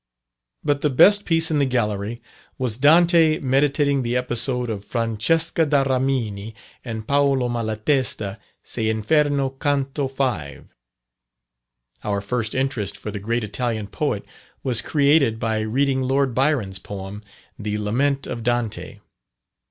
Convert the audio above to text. But the best piece in the Gallery was "Dante meditating the episode of Francesca da Rimini and Paolo Malatesta, S'Inferno, Canto V." Our first interest for the great Italian poet was created by reading Lord Byron's poem, "The Lament of Dante."